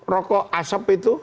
rokok asap itu